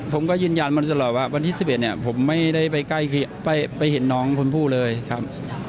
ผมก็ยืนยันมาตลอดว่าวันที่สิบเอ็ดเนี้ยผมไม่ได้ไปใกล้ไปไปเห็นน้องคนผู้เลยครับ